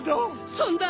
そんな。